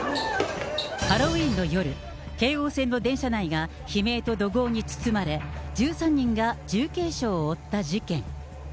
ハロウィーンの夜、京王線の電車内が悲鳴と怒号に包まれ、１３人が重軽傷を負った事件。